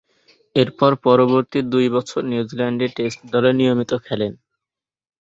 এরপর পরবর্তী দুই বছর নিউজিল্যান্ডের টেস্ট দলে নিয়মিতভাবে খেলেন।